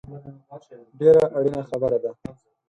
ډېره اړینه خبره ده